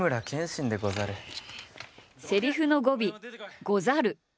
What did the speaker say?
セリフの語尾「ござる」。